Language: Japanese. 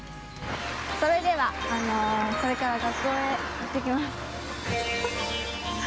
それではこれから学校へいってきます。